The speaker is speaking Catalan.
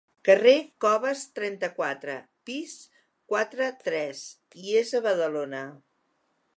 Carrer Coves trenta-quatre, pis quatre-tres i es a Badalona.